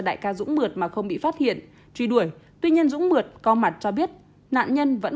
đại ca dũng mượt mà không bị phát hiện truy đuổi tuy nhiên dũng mượt có mặt cho biết nạn nhân vẫn